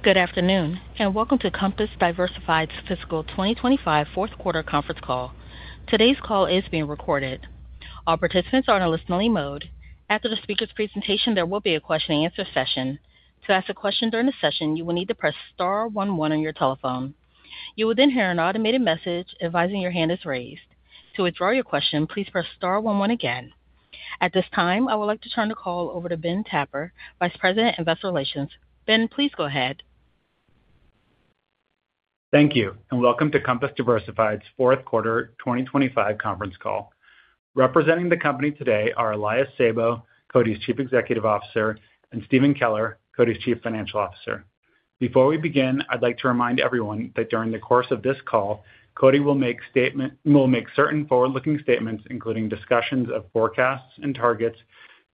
Good afternoon, welcome to Compass Diversified's Fiscal 2025 Fourth Quarter Conference Call. Today's call is being recorded. All participants are in a listening mode. After the speaker's presentation, there will be a question-and-answer session. To ask a question during the session, you will need to press star one one on your telephone. You will then hear an automated message advising your hand is raised. To withdraw your question, please press star one one again. At this time, I would like to turn the call over to Ben Tapper, Vice President of Investor Relations. Ben, please go ahead. Thank you. Welcome to Compass Diversified's Fourth Quarter 2025 Conference Call. Representing the company today are Elias Sabo, CODI's Chief Executive Officer, and Stephen Keller, CODI's Chief Financial Officer. Before we begin, I'd like to remind everyone that during the course of this call, CODI will make certain forward-looking statements, including discussions of forecasts and targets,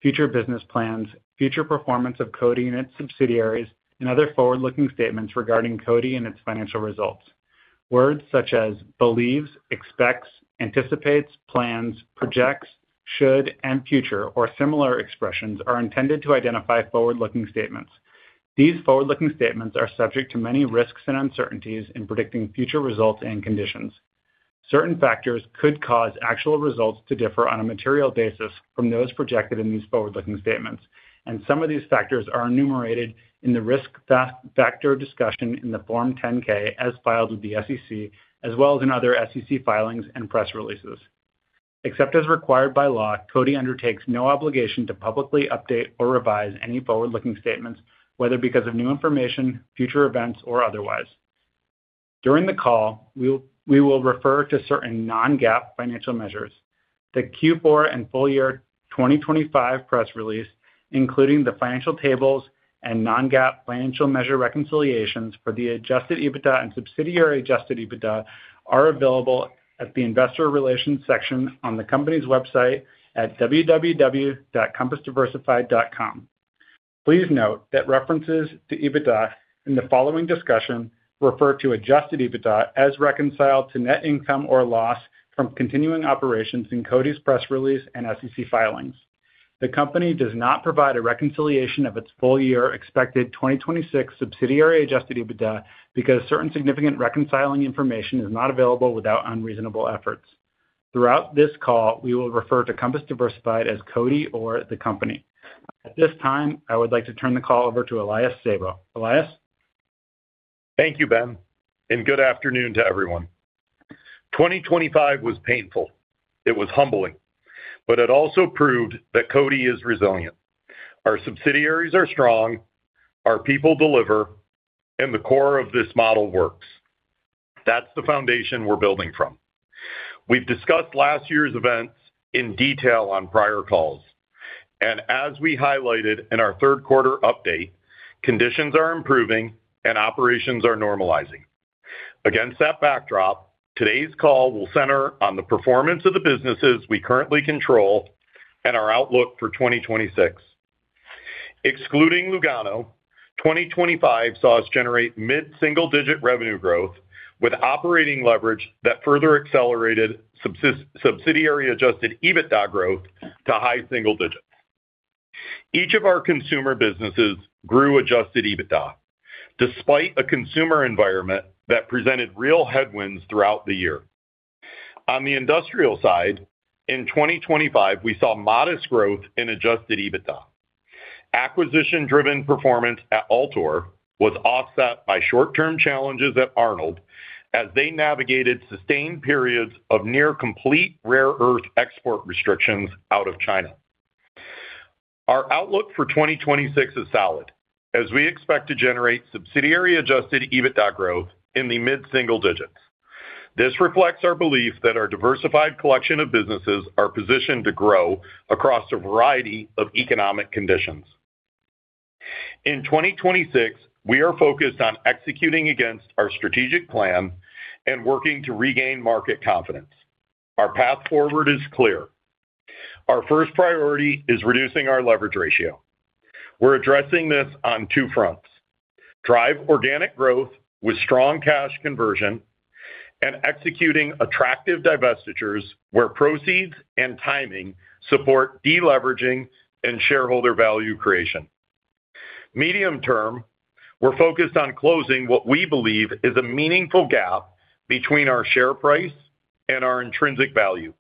future business plans, future performance of CODI and its subsidiaries, and other forward-looking statements regarding CODI and its financial results. Words such as believes, expects, anticipates, plans, projects, should, and future or similar expressions are intended to identify forward-looking statements. These forward-looking statements are subject to many risks and uncertainties in predicting future results and conditions. Certain factors could cause actual results to differ on a material basis from those projected in these forward-looking statements. Some of these factors are enumerated in the risk factor discussion in the Form 10-K as filed with the SEC as well as in other SEC filings and press releases. Except as required by law, CODI undertakes no obligation to publicly update or revise any forward-looking statements, whether because of new information, future events, or otherwise. During the call, we will refer to certain non-GAAP financial measures. The Q4 and full year 2025 press release, including the financial tables and non-GAAP financial measure reconciliations for the adjusted EBITDA and subsidiary adjusted EBITDA are available at the investor relations section on the company's website at www.compassdiversified.com. Please note that references to EBITDA in the following discussion refer to adjusted EBITDA as reconciled to net income or loss from continuing operations in CODI's press release and SEC filings. The company does not provide a reconciliation of its full year expected 2026 subsidiary adjusted EBITDA because certain significant reconciling information is not available without unreasonable efforts. Throughout this call, we will refer to Compass Diversified as CODI or the company. At this time, I would like to turn the call over to Elias Sabo. Elias. Thank you, Ben. Good afternoon to everyone. 2025 was painful. It was humbling. It also proved that CODI is resilient. Our subsidiaries are strong, our people deliver, and the core of this model works. That's the foundation we're building from. We've discussed last year's events in detail on prior calls. As we highlighted in our third quarter update, conditions are improving and operations are normalizing. Against that backdrop, today's call will center on the performance of the businesses we currently control and our outlook for 2026. Excluding Lugano, 2025 saw us generate mid-single-digit revenue growth with operating leverage that further accelerated subsidiary adjusted EBITDA growth to high single digits. Each of our consumer businesses grew adjusted EBITDA despite a consumer environment that presented real headwinds throughout the year. On the industrial side, in 2025, we saw modest growth in adjusted EBITDA. Acquisition-driven performance at Altor was offset by short-term challenges at Arnold as they navigated sustained periods of near complete rare earth export restrictions out of China. Our outlook for 2026 is solid as we expect to generate subsidiary adjusted EBITDA growth in the mid-single digits. This reflects our belief that our diversified collection of businesses are positioned to grow across a variety of economic conditions. In 2026, we are focused on executing against our strategic plan and working to regain market confidence. Our path forward is clear. Our first priority is reducing our leverage ratio. We're addressing this on two fronts: drive organic growth with strong cash conversion and executing attractive divestitures where proceeds and timing support de-leveraging and shareholder value creation. Medium-term, we're focused on closing what we believe is a meaningful gap between our share price and our intrinsic value.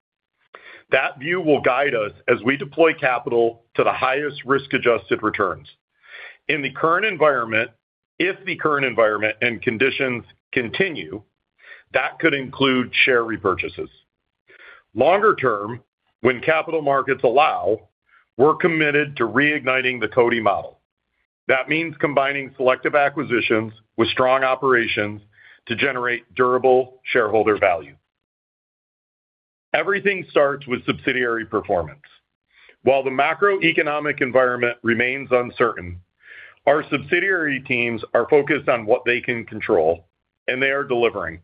That view will guide us as we deploy capital to the highest risk-adjusted returns. If the current environment and conditions continue, that could include share repurchases. Longer term, when capital markets allow, we're committed to reigniting the CODI model. That means combining selective acquisitions with strong operations to generate durable shareholder value. Everything starts with subsidiary performance. While the macroeconomic environment remains uncertain, our subsidiary teams are focused on what they can control, and they are delivering.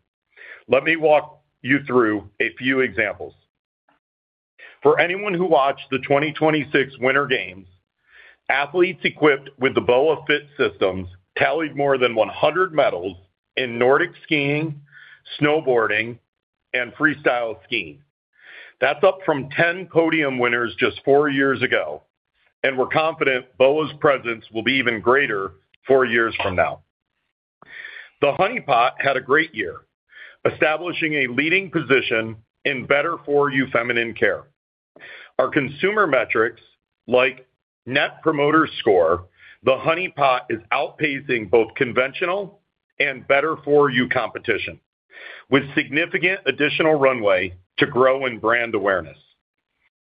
Let me walk you through a few examples. For anyone who watched the 2026 Winter Games, athletes equipped with the BOA Fit Systems tallied more than 100 medals in Nordic skiing, snowboarding, and freestyle skiing. That's up from 10 podium winners just four years ago, and we're confident BOA's presence will be even greater four years from now. The Honey Pot had a great year establishing a leading position in better for you feminine care. Our consumer metrics like Net Promoter Score, The Honey Pot is outpacing both conventional and better for you competition, with significant additional runway to grow in brand awareness.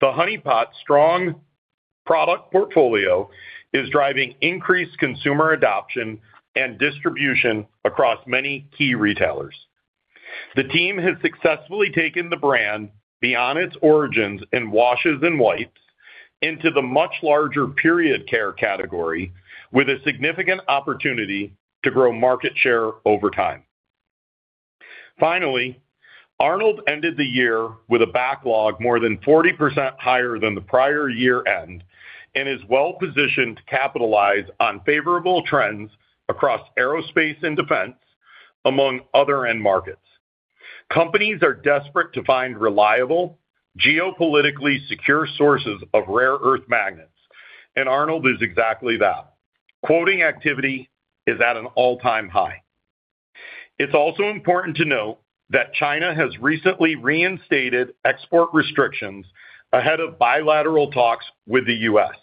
The Honey Pot's strong product portfolio is driving increased consumer adoption and distribution across many key retailers. The team has successfully taken the brand beyond its origins in washes and wipes into the much larger period care category, with a significant opportunity to grow market share over time. Finally, Arnold ended the year with a backlog more than 40% higher than the prior year-end, and is well-positioned to capitalize on favorable trends across aerospace and defense, among other end markets. Companies are desperate to find reliable, geopolitically secure sources of rare earth magnets, and Arnold is exactly that. Quoting activity is at an all-time high. It's also important to note that China has recently reinstated export restrictions ahead of bilateral talks with the U.S.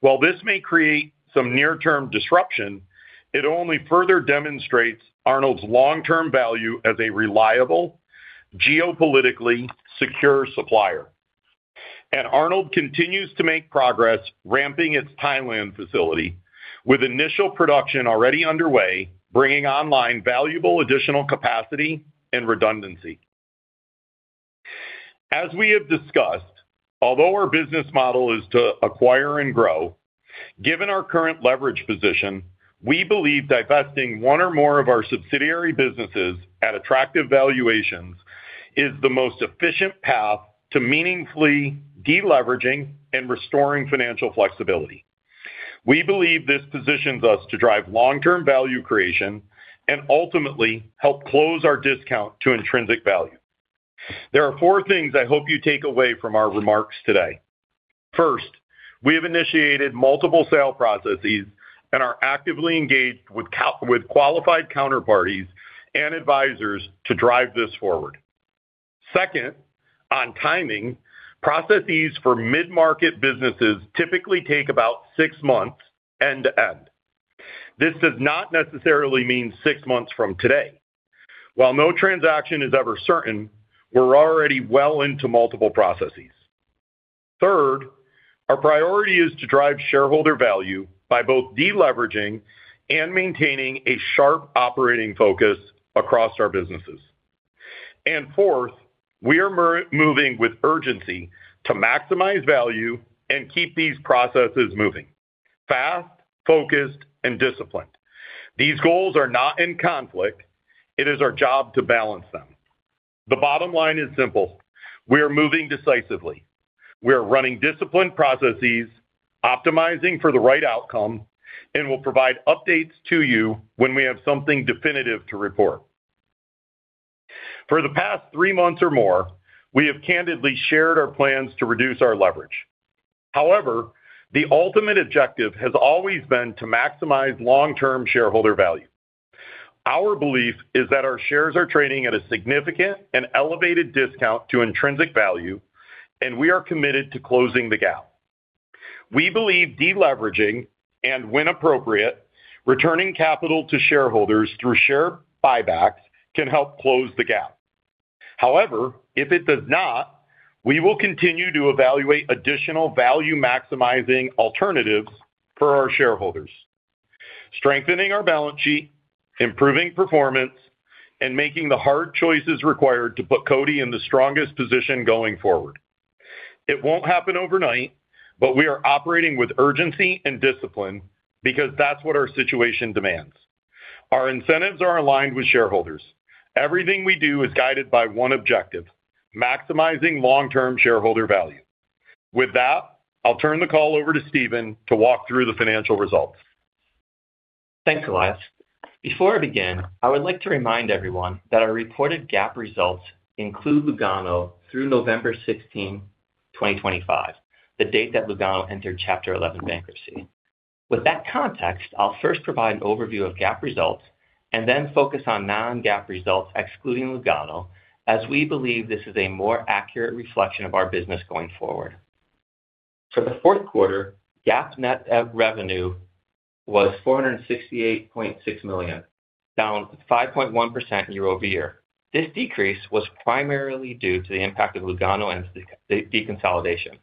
While this may create some near-term disruption, it only further demonstrates Arnold's long-term value as a reliable, geopolitically secure supplier. Arnold continues to make progress ramping its Thailand facility, with initial production already underway, bringing online valuable additional capacity and redundancy. As we have discussed, although our business model is to acquire and grow, given our current leverage position, we believe divesting one or more of our subsidiary businesses at attractive valuations is the most efficient path to meaningfully de-leveraging and restoring financial flexibility. We believe this positions us to drive long-term value creation and ultimately help close our discount to intrinsic value. There are four things I hope you take away from our remarks today. First, we have initiated multiple sale processes and are actively engaged with qualified counterparties and advisors to drive this forward. Second, on timing, processes for mid-market businesses typically take about six months end to end. This does not necessarily mean six months from today. While no transaction is ever certain, we're already well into multiple processes. Third, our priority is to drive shareholder value by both de-leveraging and maintaining a sharp operating focus across our businesses. Fourth, we are moving with urgency to maximize value and keep these processes moving fast, focused, and disciplined. These goals are not in conflict. It is our job to balance them. The bottom line is simple: we are moving decisively. We are running disciplined processes, optimizing for the right outcome, and will provide updates to you when we have something definitive to report. For the past three months or more, we have candidly shared our plans to reduce our leverage. However, the ultimate objective has always been to maximize long-term shareholder value. Our belief is that our shares are trading at a significant and elevated discount to intrinsic value, and we are committed to closing the gap. We believe deleveraging and, when appropriate, returning capital to shareholders through share buybacks can help close the gap. However, if it does not, we will continue to evaluate additional value-maximizing alternatives for our shareholders, strengthening our balance sheet, improving performance, and making the hard choices required to put CODI in the strongest position going forward. It won't happen overnight, but we are operating with urgency and discipline because that's what our situation demands. Our incentives are aligned with shareholders. Everything we do is guided by one objective: maximizing long-term shareholder value. With that, I'll turn the call over to Stephen to walk through the financial results. Thanks, Elias. Before I begin, I would like to remind everyone that our reported GAAP results include Lugano through November 16, 2025, the date that Lugano entered Chapter 11 bankruptcy. With that context, I'll first provide an overview of GAAP results and then focus on non-GAAP results excluding Lugano, as we believe this is a more accurate reflection of our business going forward. For the fourth quarter, GAAP net revenue was $468.6 million, down 5.1% year-over-year. This decrease was primarily due to the impact of Lugano and the deconsolidation.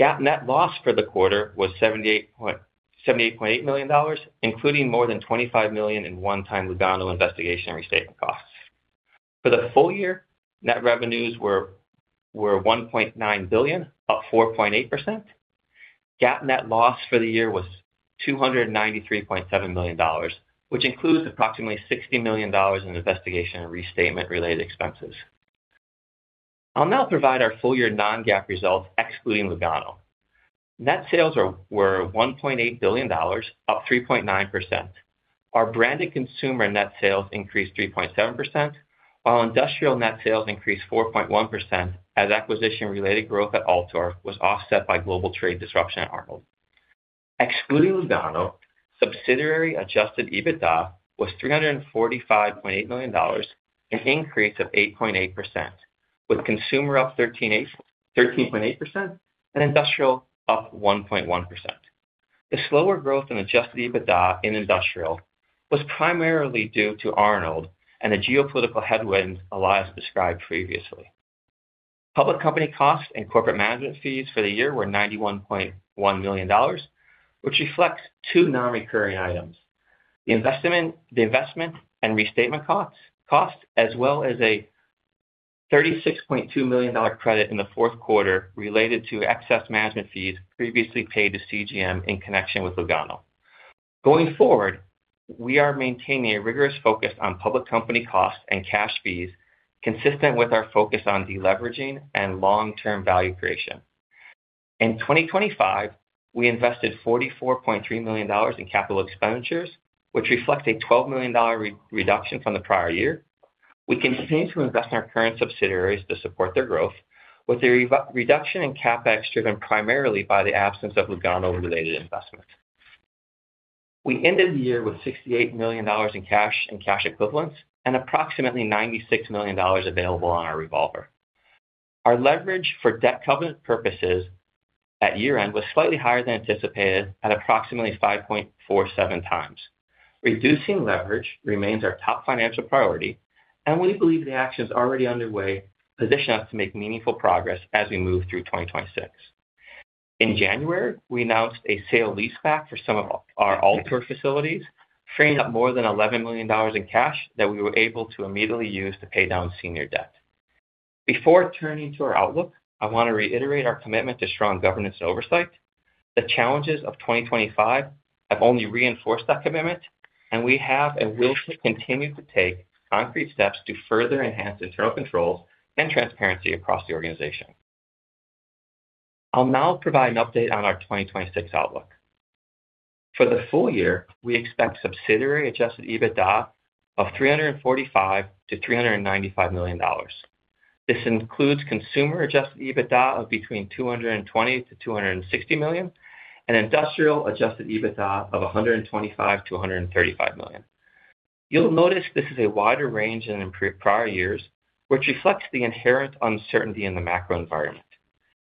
GAAP net loss for the quarter was $78.8 million, including more than $25 million in one-time Lugano investigation restatement costs. For the full year, net revenues were $1.9 billion, up 4.8%. GAAP net loss for the year was $293.7 million, which includes approximately $60 million in investigation and restatement-related expenses. I'll now provide our full-year non-GAAP results excluding Lugano. Net sales were $1.8 billion, up 3.9%. Our branded consumer net sales increased 3.7%, while industrial net sales increased 4.1% as acquisition-related growth at Altor was offset by global trade disruption at Arnold. Excluding Lugano, subsidiary adjusted EBITDA was $345.8 million, an increase of 8.8%, with consumer up 13.8% and industrial up 1.1%. The slower growth in Adjusted EBITDA in industrial was primarily due to Arnold and the geopolitical headwinds Elias described previously. Public company costs and corporate management fees for the year were $91.1 million, which reflects two non-recurring items. The investment and restatement costs as well as a $36.2 million credit in the fourth quarter related to excess management fees previously paid to CGM in connection with Lugano. Going forward, we are maintaining a rigorous focus on public company costs and cash fees consistent with our focus on deleveraging and long-term value creation. In 2025, we invested $44.3 million in capital expenditures, which reflects a $12 million re-reduction from the prior year. We continue to invest in our current subsidiaries to support their growth with the re-reduction in CapEx driven primarily by the absence of Lugano-related investments. We ended the year with $68 million in cash and cash equivalents and approximately $96 million available on our revolver. Our leverage for debt covenant purposes at year-end was slightly higher than anticipated at approximately 5.47 times. Reducing leverage remains our top financial priority, and we believe the actions already underway position us to make meaningful progress as we move through 2026. In January, we announced a sale-leaseback for some of our Altor facilities, freeing up more than $11 million in cash that we were able to immediately use to pay down senior debt. Before turning to our outlook, I want to reiterate our commitment to strong governance and oversight. The challenges of 2025 have only reinforced that commitment, and we have and will continue to take concrete steps to further enhance internal controls and transparency across the organization. I'll now provide an update on our 2026 outlook. For the full year, we expect subsidiary adjusted EBITDA of $345 million-$395 million. This includes consumer Adjusted EBITDA of between $220 million to $260 million and industrial adjusted EBITDA of $125 million to $135 million. You'll notice this is a wider range than in pre-prior years, which reflects the inherent uncertainty in the macro environment.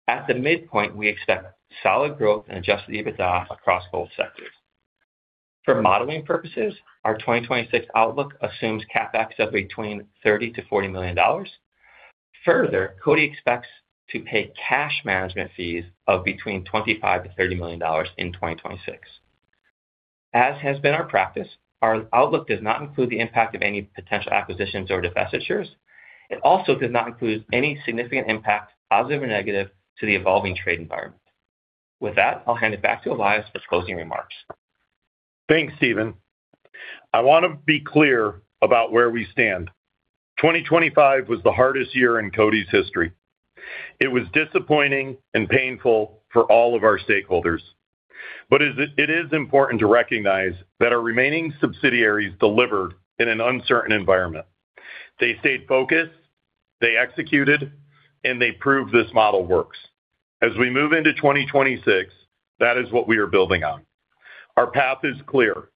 At the midpoint, we expect solid growth in Adjusted EBITDA across both sectors. For modeling purposes, our 2026 outlook assumes CapEx of between $30 million-$40 million. CODI expects to pay cash management fees of between $25 million-$30 million in 2026. As has been our practice, our outlook does not include the impact of any potential acquisitions or divestitures. It also does not include any significant impact, positive or negative, to the evolving trade environment. With that, I'll hand it back to Elias for closing remarks. Thanks, Stephen. I want to be clear about where we stand. 2025 was the hardest year in CODI's history. It was disappointing and painful for all of our stakeholders. It is important to recognize that our remaining subsidiaries delivered in an uncertain environment. They stayed focused, they executed, and they proved this model works. As we move into 2026, that is what we are building on. Our path is clear.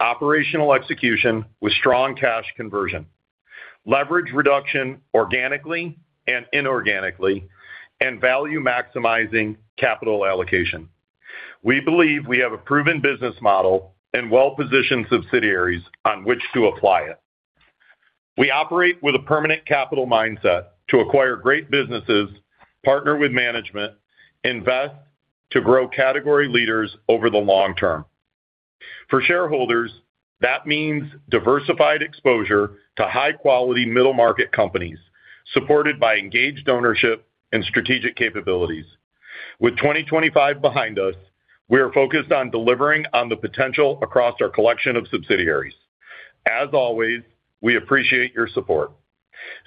Operational execution with strong cash conversion, leverage reduction organically and inorganically, and value-maximizing capital allocation. We believe we have a proven business model and well-positioned subsidiaries on which to apply it. We operate with a permanent capital mindset to acquire great businesses, partner with management, invest to grow category leaders over the long term. For shareholders, that means diversified exposure to high-quality middle-market companies supported by engaged ownership and strategic capabilities. With 2025 behind us, we are focused on delivering on the potential across our collection of subsidiaries. As always, we appreciate your support.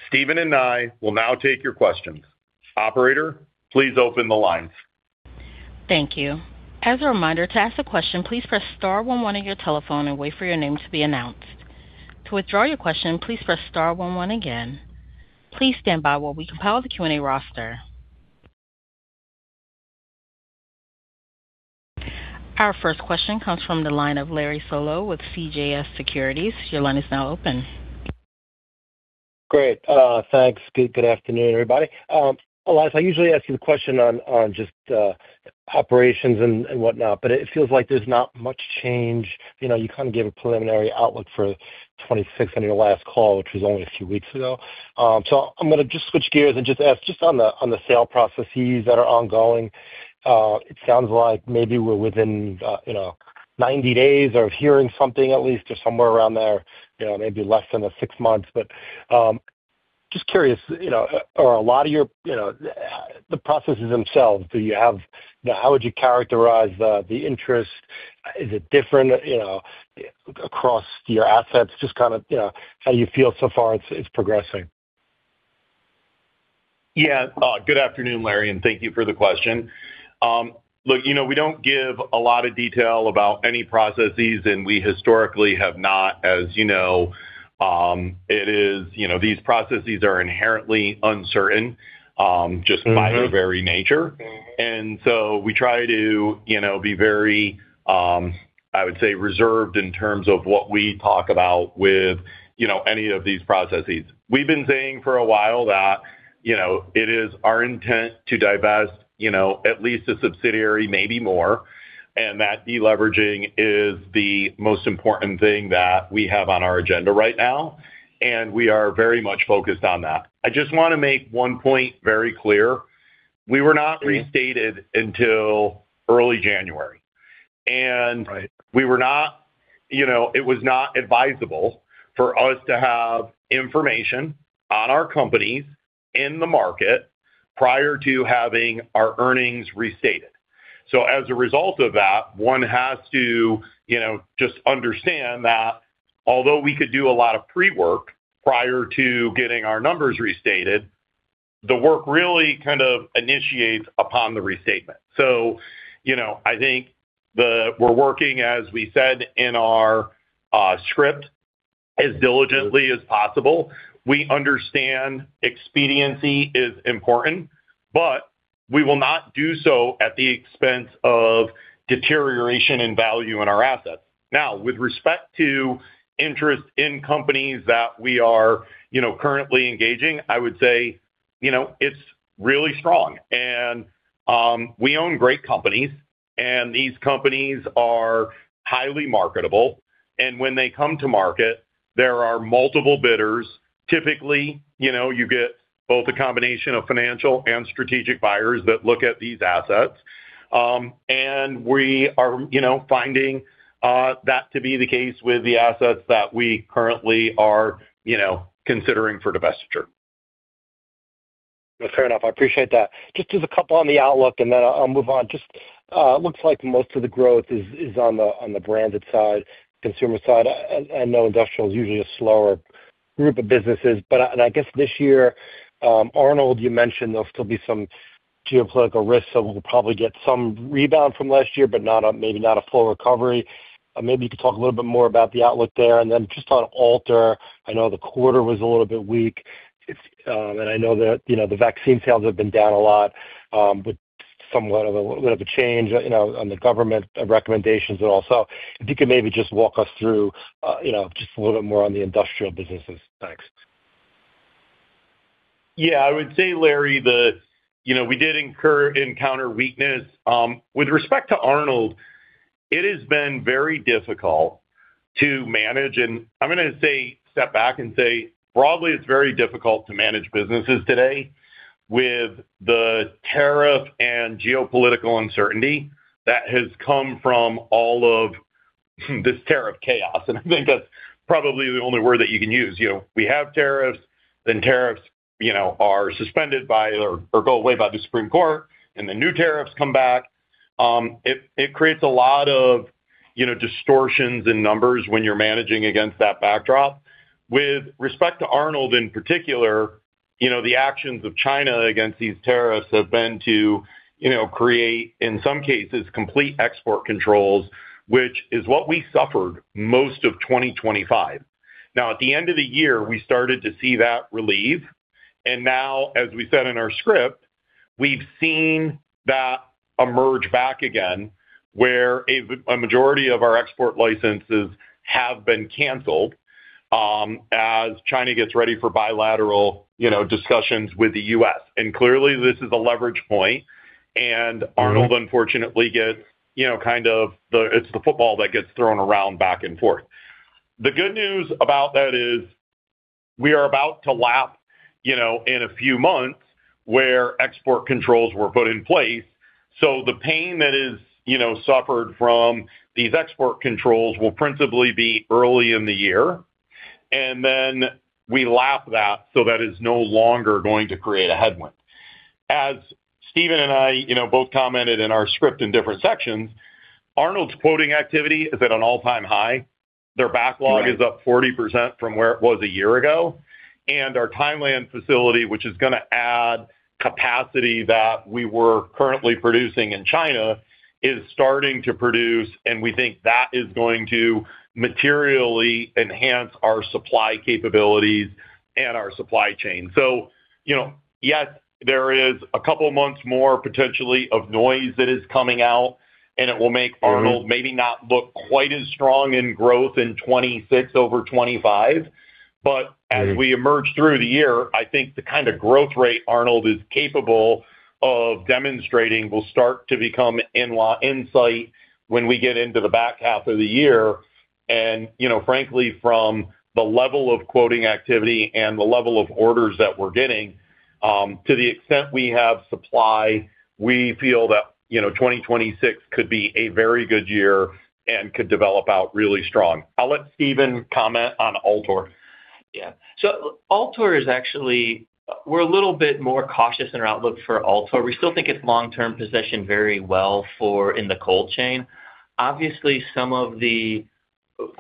Stephen and I will now take your questions. Operator, please open the lines. Thank you. As a reminder, to ask a question, please press star one one on your telephone and wait for your name to be announced. To withdraw your question, please press star one one again. Please stand by while we compile the Q&A roster. Our first question comes from the line of Larry Solow with CJS Securities. Your line is now open. Great. Thanks. Good afternoon, everybody. Elias, I usually ask you the question on just operations and whatnot, but it feels like there's not much change. You know, you kind of gave a preliminary outlook for 2026 on your last call, which was only a few weeks ago. I'm gonna just switch gears and just ask just on the, on the sale processes that are ongoing. It sounds like maybe we're within, you know, 90 days of hearing something at least or somewhere around there, you know, maybe less than the six months. Just curious, you know, are a lot of your, you know, the processes themselves, how would you characterize the interest? Is it different, you know, across your assets? Just kind of, you know, how you feel so far it's progressing. Yeah. Good afternoon, Larry, and thank you for the question. Look, you know, we don't give a lot of detail about any processes, and we historically have not, as you know. It is. You know, these processes are inherently uncertain, just by their very nature. We try to, you know, be very, I would say, reserved in terms of what we talk about with, you know, any of these processes. We've been saying for a while that, you know, it is our intent to divest, you know, at least a subsidiary, maybe more, and that deleveraging is the most important thing that we have on our agenda right now, and we are very much focused on that. I just wanna make one point very clear. We were not restated until early January, and we were not... You know, it was not advisable for us to have information on our companies in the market prior to having our earnings restated. As a result of that, one has to, you know, just understand that although we could do a lot of pre-work prior to getting our numbers restated, the work really kind of initiates upon the restatement. You know, I think we're working, as we said in our script, as diligently as possible. We understand expediency is important, but we will not do so at the expense of deterioration in value in our assets. Now, with respect to interest in companies that we are, you know, currently engaging, I would say, you know, it's really strong. We own great companies, and these companies are highly marketable. When they come to market, there are multiple bidders. Typically, you know, you get both a combination of financial and strategic buyers that look at these assets. We are, you know, finding that to be the case with the assets that we currently are, you know, considering for divestiture. Fair enough. I appreciate that. Just as a couple on the outlook, and then I'll move on. Just, looks like most of the growth is on the branded side, consumer side. I know industrial is usually a slower group of businesses. I guess this year, Arnold, you mentioned there'll still be some geopolitical risks, so we'll probably get some rebound from last year, but maybe not a full recovery. Maybe you could talk a little bit more about the outlook there. Then just on Altor, I know the quarter was a little bit weak. It's, and I know that, you know, the vaccine sales have been down a lot, with somewhat of a little bit of a change, you know, on the government recommendations and all. If you could maybe just walk us through, you know, just a little bit more on the industrial businesses. Thanks. Yeah. I would say, Larry, you know, we did encounter weakness. With respect to Arnold, it has been very difficult to manage. I'm gonna say, step back and say, broadly, it's very difficult to manage businesses today with the tariff and geopolitical uncertainty that has come from all of this tariff chaos. I think that's probably the only word that you can use. You know, we have tariffs, then tariffs, you know, are suspended by or go away by the Supreme Court, the new tariffs come back. It creates a lot of, you know, distortions in numbers when you're managing against that backdrop. With respect to Arnold in particular, you know, the actions of China against these tariffs have been to, you know, create, in some cases, complete export controls, which is what we suffered most of 2025. At the end of the year, we started to see that relieve. Now, as we said in our script, we've seen that emerge back again, where a majority of our export licenses have been canceled, as China gets ready for bilateral, you know, discussions with the U.S. Clearly, this is a leverage point, and Arnold unfortunately gets, you know, kind of It's the football that gets thrown around back and forth. The good news about that is we are about to lap, you know, in a few months, where export controls were put in place. The pain that is, you know, suffered from these export controls will principally be early in the year, then we lap that is no longer going to create a headwind. As Stephen and I, you know, both commented in our script in different sections, Arnold's quoting activity is at an all-time high. Their backlog is up 40% from where it was a year ago. Our Thailand facility, which is gonna add capacity that we were currently producing in China, is starting to produce, and we think that is going to materially enhance our supply capabilities and our supply chain. You know, yes, there is a couple of months more potentially of noise that is coming out, and it will make Arnold maybe not look quite as strong in growth in 2026 over 2025. As we emerge through the year, I think the kind of growth rate Arnold is capable of demonstrating will start to become in sight when we get into the back half of the year. You know, frankly, from the level of quoting activity and the level of orders that we're getting, to the extent we have supply, we feel that, you know, 2026 could be a very good year and could develop out really strong. I'll let Stephen comment on Altor. Yeah. Altor is actually. We're a little bit more cautious in our outlook for Altor. We still think it's long-term position very well for in the cold chain. Obviously, some of the.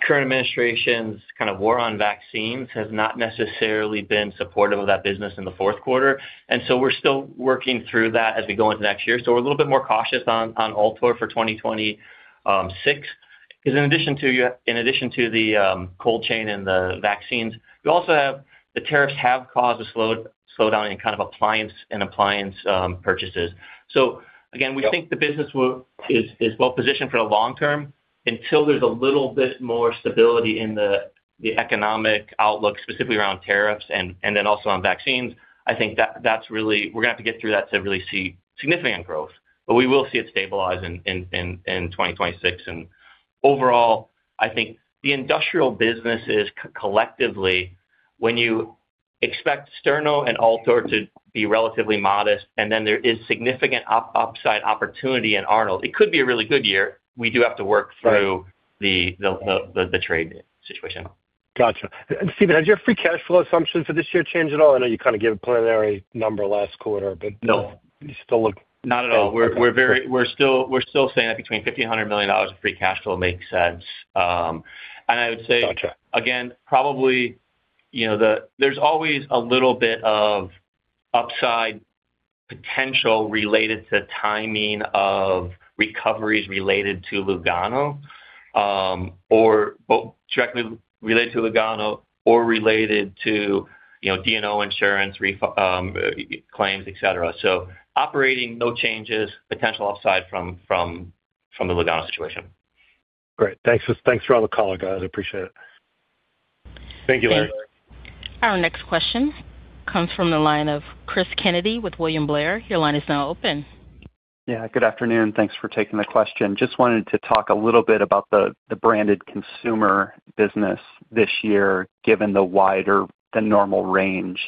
Current administration's kind of war on vaccines has not necessarily been supportive of that business in the fourth quarter. We're still working through that as we go into next year. We're a little bit more cautious on Altor for 2026. In addition to the cold chain and the vaccines, we also have the tariffs have caused a slow down in kind of appliance purchases. Again, we think the business will is well-positioned for the long term until there's a little bit more stability in the economic outlook, specifically around tariffs and then also on vaccines. I think that's really. We're gonna have to get through that to really see significant growth. We will see it stabilize in 2026. Overall, I think the industrial businesses collectively, when you expect Sterno and Altor to be relatively modest, and then there is significant upside opportunity in Arnold, it could be a really good year. We do have to work through the trade situation. Gotcha. Stephen, has your free cash flow assumption for this year changed at all? I know you kind of gave a preliminary number last quarter, but... No. You still look- Not at all. We're very, we're still saying that between $1,500 million of free cash flow makes sense. I would say Gotcha. Probably, you know, there's always a little bit of upside potential related to timing of recoveries related to Lugano, or both directly related to Lugano or related to, you know, D&O insurance claims, et cetera. Operating, no changes, potential upside from the Lugano situation. Great. Thanks. Thanks for all the color, guys. I appreciate it. Thank you, Larry. Our next question comes from the line of Cris Kennedy with William Blair. Your line is now open. Yeah, good afternoon. Thanks for taking the question. Just wanted to talk a little bit about the branded consumer business this year, given the wider than normal range.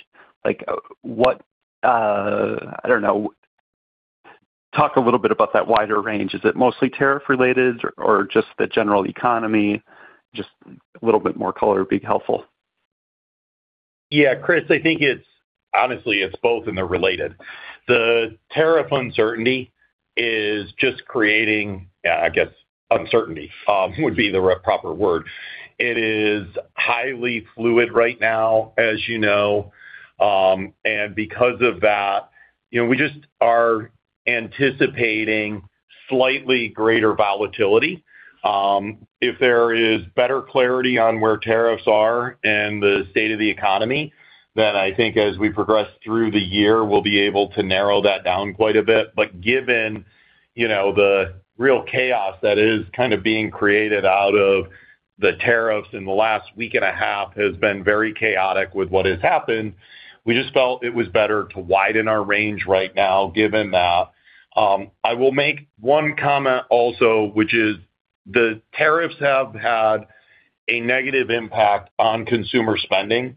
Like what, I don't know. Talk a little bit about that wider range. Is it mostly tariff related or just the general economy? Just a little bit more color would be helpful. Chris, I think it's honestly, it's both and they're related. The tariff uncertainty is just creating, I guess uncertainty would be the proper word. It is highly fluid right now, as you know, and because of that, you know, we just are anticipating slightly greater volatility. If there is better clarity on where tariffs are and the state of the economy, then I think as we progress through the year, we'll be able to narrow that down quite a bit. Given, you know, the real chaos that is kind of being created out of the tariffs in the last week and a half has been very chaotic with what has happened. We just felt it was better to widen our range right now given that. I will make one comment also, which is the tariffs have had a negative impact on consumer spending.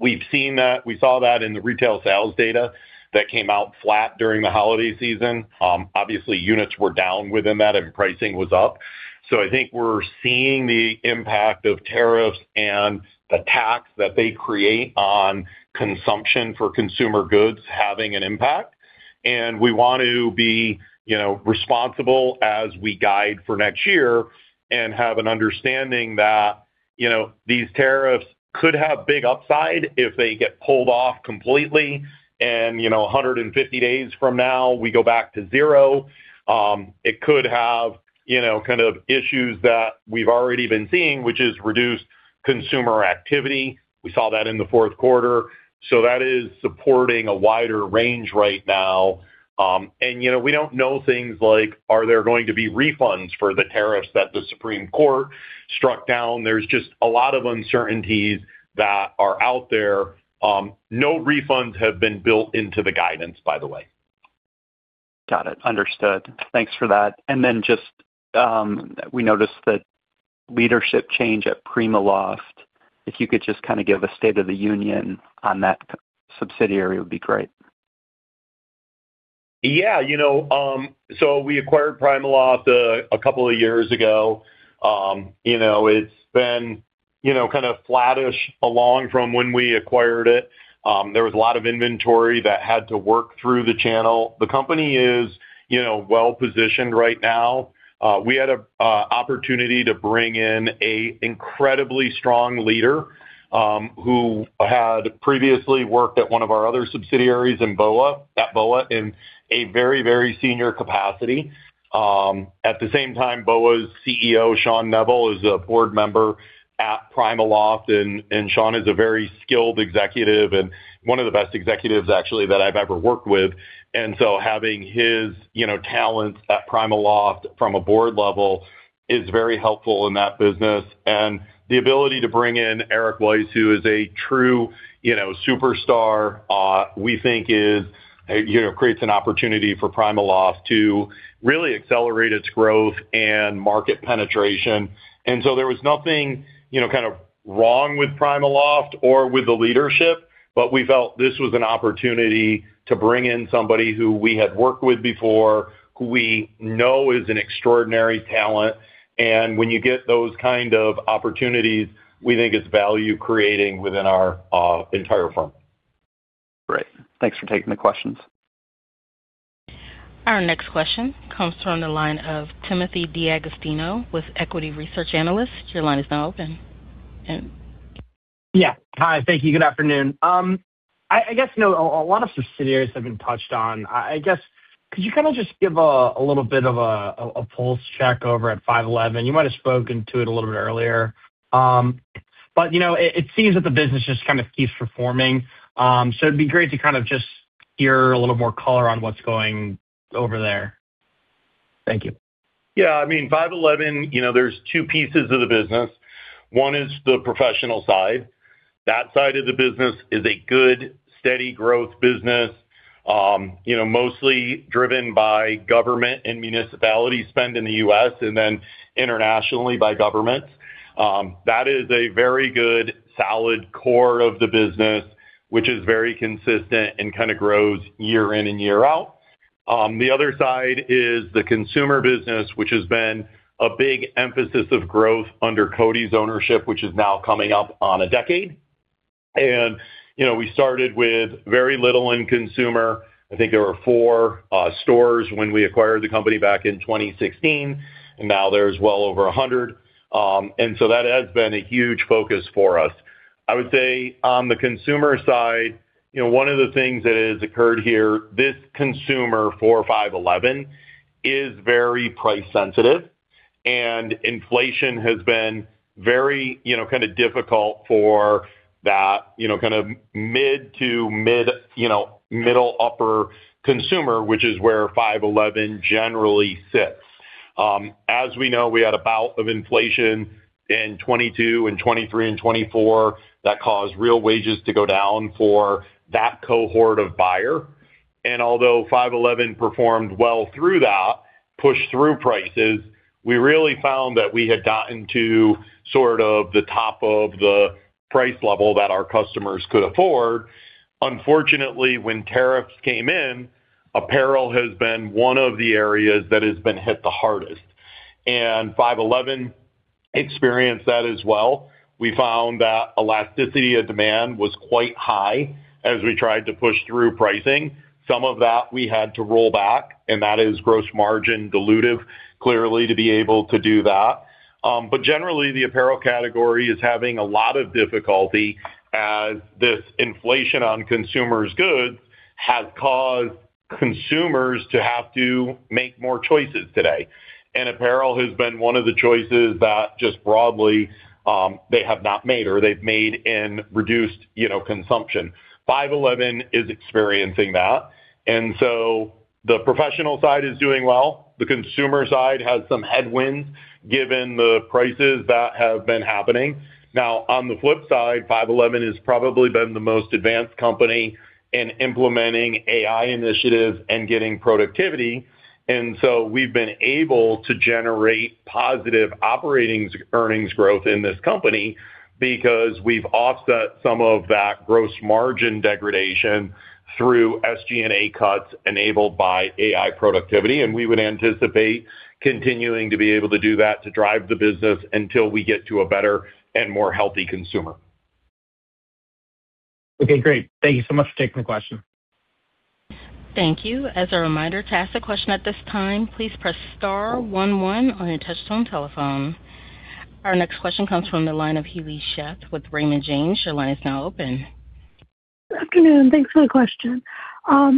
We've seen that. We saw that in the retail sales data that came out flat during the holiday season. Obviously, units were down within that and pricing was up. I think we're seeing the impact of tariffs and the tax that they create on consumption for consumer goods having an impact. We want to be, you know, responsible as we guide for next year and have an understanding that, you know, these tariffs could have big upside if they get pulled off completely and, you know, 150 days from now, we go back to zero. It could have, you know, kind of issues that we've already been seeing, which is reduced consumer activity. We saw that in the fourth quarter. That is supporting a wider range right now. You know, we don't know things like, are there going to be refunds for the tariffs that the Supreme Court struck down? There's just a lot of uncertainties that are out there. No refunds have been built into the guidance, by the way. Got it. Understood. Thanks for that. Then just, we noticed that leadership change at PrimaLoft. If you could just kinda give a state of the union on that subsidiary would be great. Yeah, you know, we acquired PrimaLoft a couple of years ago. You know, it's been kind of flattish along from when we acquired it. There was a lot of inventory that had to work through the channel. The company is, you know, well-positioned right now. We had a opportunity to bring in a incredibly strong leader who had previously worked at one of our other subsidiaries at BOA in a very, very senior capacity. At the same time, BOA's CEO, Shawn Neville, is a board member at PrimaLoft, and Shawn is a very skilled executive and one of the best executives actually that I've ever worked with. Having his, you know, talents at PrimaLoft from a board level is very helpful in that business. The ability to bring in Eric Weis, who is a true, you know, superstar, we think is, you know, creates an opportunity for PrimaLoft to really accelerate its growth and market penetration. There was nothing, you know, kind of wrong with PrimaLoft or with the leadership, but we felt this was an opportunity to bring in somebody who we had worked with before, who we know is an extraordinary talent. When you get those kind of opportunities, we think it's value-creating within our entire firm. Great. Thanks for taking the questions. Our next question comes from the line of Timothy D'Agostino with equity research analyst. Your line is now open. Tim. Yeah. Hi. Thank you. Good afternoon. I guess, you know, a lot of subsidiaries have been touched on. I guess, could you kind of just give a little bit of a pulse check over at 5.11? You might have spoken to it a little bit earlier. You know, it seems that the business just kind of keeps performing. It'd be great to kind of just hear a little more color on what's going over there. Thank you. I mean, 5.11, you know, there's two pieces of the business. One is the professional side. That side of the business is a good, steady growth business, you know, mostly driven by government and municipality spend in the U.S. and then internationally by governments. That is a very good solid core of the business, which is very consistent and kinda grows year in and year out. The other side is the consumer business, which has been a big emphasis of growth under CODI's ownership, which is now coming up on a decade. You know, we started with very little in consumer. I think there were four stores when we acquired the company back in 2016, and now there's well over 100. That has been a huge focus for us. I would say on the consumer side, you know, one of the things that has occurred here, this consumer for 5.11 is very price sensitive. Inflation has been very, you know, kinda difficult for that, you know, kind of mid to mid, you know, middle upper consumer, which is where 5.11 generally sits. As we know, we had a bout of inflation in 2022 and 2023 and 2024 that caused real wages to go down for that cohort of buyer. Although 5.11 performed well through that, pushed through prices, we really found that we had gotten to sort of the top of the price level that our customers could afford. Unfortunately, when tariffs came in, apparel has been one of the areas that has been hit the hardest. 5.11 experienced that as well. We found that elasticity of demand was quite high as we tried to push through pricing. Some of that we had to roll back. That is gross margin dilutive, clearly, to be able to do that. Generally, the apparel category is having a lot of difficulty as this inflation on consumers' goods has caused consumers to have to make more choices today. Apparel has been one of the choices that just broadly, they have not made or they've made in reduced, you know, consumption. 5.11 is experiencing that. The professional side is doing well. The consumer side has some headwinds given the prices that have been happening. Now, on the flip side, 5.11 has probably been the most advanced company in implementing AI initiatives and getting productivity. We've been able to generate positive operating earnings growth in this company because we've offset some of that gross margin degradation through SG&A cuts enabled by AI productivity, and we would anticipate continuing to be able to do that to drive the business until we get to a better and more healthy consumer. Okay. Great. Thank you so much for taking the question. Thank you. As a reminder, to ask a question at this time, please press star one one on your touchtone telephone. Our next question comes from the line of Robert Dodd with Raymond James. Your line is now open. Good afternoon. Thanks for the question. As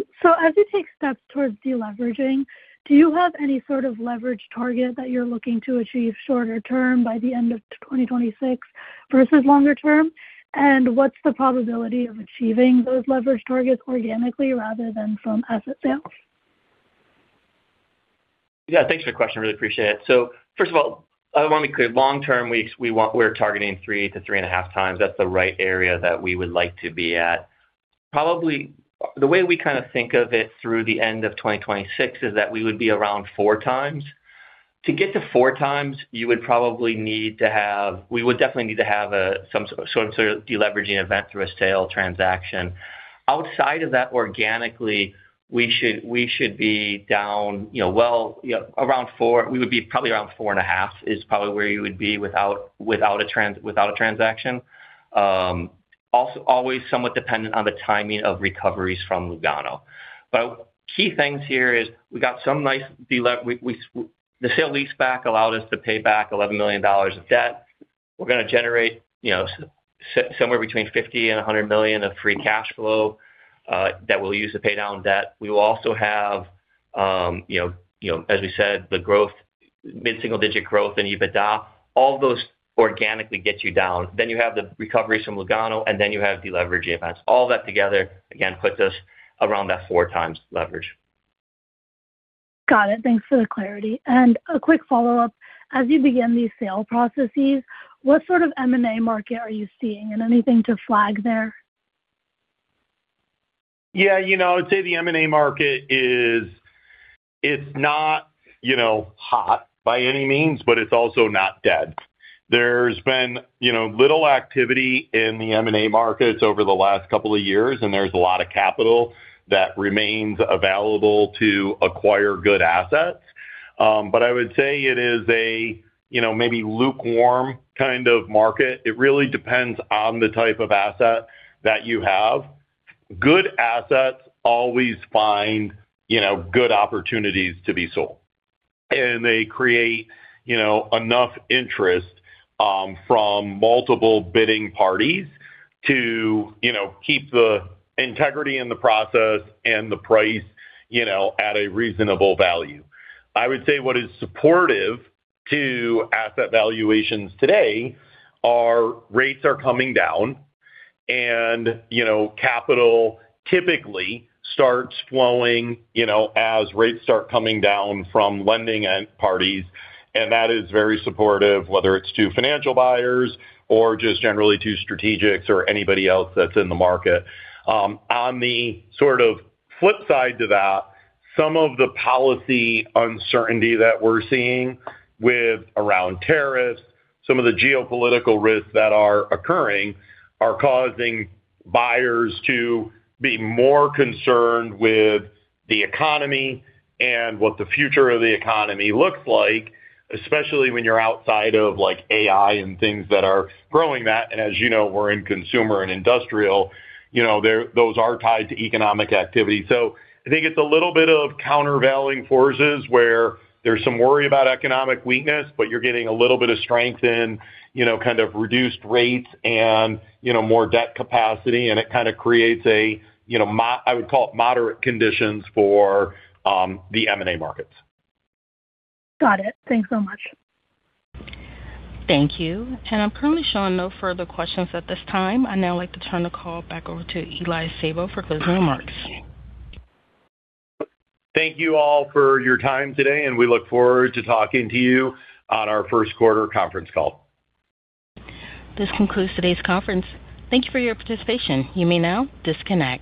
you take steps towards deleveraging, do you have any sort of leverage target that you're looking to achieve shorter term by the end of 2026 versus longer term? What's the probability of achieving those leverage targets organically rather than from asset sales? Yeah. Thanks for your question. Really appreciate it. First of all, I want to be clear, long term, we're targeting 3 to 3.5 times. That's the right area that we would like to be at. Probably the way we kind of think of it through the end of 2026 is that we would be around four times. To get to four times, we would definitely need to have some sort of deleveraging event through a sale transaction. Outside of that, organically, we should be down, you know, well, you know, around four. We would be probably around 4.5 is probably where you would be without a transaction. Also always somewhat dependent on the timing of recoveries from Lugano. Key things here. The sale-leaseback allowed us to pay back $11 million of debt. We're gonna generate, you know, somewhere between $50 million-$100 million of free cash flow that we'll use to pay down debt. We will also have, you know, you know, as we said, mid-single digit growth in EBITDA. All those organically get you down. You have the recoveries from Lugano, and then you have deleveraging events. All that together, again, puts us around that 4 times leverage. Got it. Thanks for the clarity. A quick follow-up. As you begin these sale processes, what sort of M&A market are you seeing and anything to flag there? Yeah. You know, I'd say the M&A market. It's not, you know, hot by any means, but it's also not dead. There's been, you know, little activity in the M&A markets over the last couple of years, and there's a lot of capital that remains available to acquire good assets. I would say it is a, you know, maybe lukewarm kind of market. It really depends on the type of asset that you have. Good assets always find, you know, good opportunities to be sold, and they create, you know, enough interest, from multiple bidding parties to, you know, keep the integrity in the process and the price, you know, at a reasonable value. I would say what is supportive to asset valuations today are rates are coming down, and, you know, capital typically starts flowing, you know, as rates start coming down from lending end parties, and that is very supportive, whether it's to financial buyers or just generally to strategics or anybody else that's in the market. On the sort of flip side to that, some of the policy uncertainty that we're seeing with around tariffs, some of the geopolitical risks that are occurring are causing buyers to be more concerned with the economy and what the future of the economy looks like, especially when you're outside of, like, AI and things that are growing that. As you know, we're in consumer and industrial, you know, those are tied to economic activity. I think it's a little bit of countervailing forces, where there's some worry about economic weakness, but you're getting a little bit of strength in, you know, kind of reduced rates and, you know, more debt capacity, and it kind of creates a, you know, I would call it moderate conditions for the M&A markets. Got it. Thanks so much. Thank you. I'm currently showing no further questions at this time. I'd now like to turn the call back over to Elias Sabo for closing remarks. Thank you all for your time today, and we look forward to talking to you on our first quarter conference call. This concludes today's conference. Thank you for your participation. You may now disconnect.